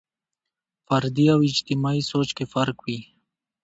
فردي او اجتماعي سوچ کې فرق وي.